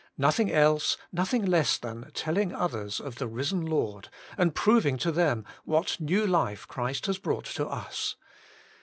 Nothing else, nothing less than, telling others of the risen Lord, and proving to them what new life Christ has brought to us.